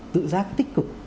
tự giác tích cực